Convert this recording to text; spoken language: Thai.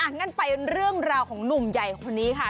งั้นไปเรื่องราวของหนุ่มใหญ่คนนี้ค่ะ